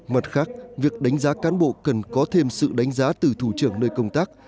mặt khác việc đánh giá cán bộ cần có thêm sự đánh giá từ thủ trưởng nơi công tác